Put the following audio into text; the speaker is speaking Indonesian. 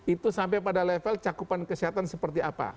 itu sampai pada level cakupan kesehatan seperti apa